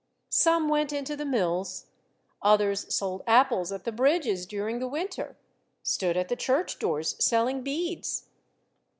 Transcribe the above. " Some went into the mills, others sold apples at the bridges during the winter, stood at the church doors selling beads.